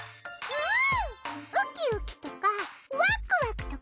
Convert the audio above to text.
うん！